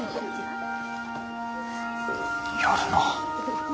やるな。